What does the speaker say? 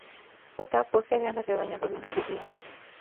Utah posee grandes rebaños bovinos y ovinos.